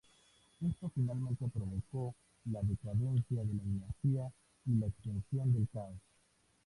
Esto finalmente provocó la decadencia de la dinastía y la extensión del caos.